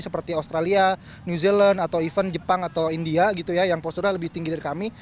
seperti australia new zealand atau even jepang atau india gitu ya yang posturnya lebih tinggi dari kami